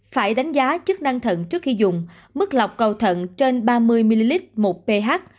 phải đánh giá chức năng thận trước khi dùng mức lọc cầu thận trên ba mươi ml một ph